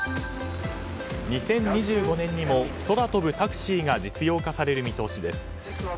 ２０２５年にも空飛ぶタクシーが実用化される見通しです。